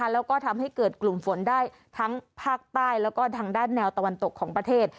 แล้วก็ทำให้เกิดกลุ่มฝนได้ทั้งภาคใต้แล้วก็ทางด้านแนวตะวันตกของประเทศ